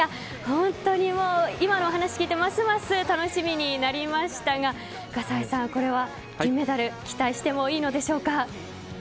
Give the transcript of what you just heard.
本当に今の話、聞いてますます楽しみになりましたがこれは金メダル期待してもいいのでしょうか？